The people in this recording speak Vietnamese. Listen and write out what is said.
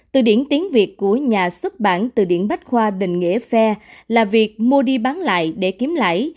từ điển tiếng việt của nhà xuất bản từ điện bách khoa đình nghĩa phe là việc mua đi bán lại để kiếm lãi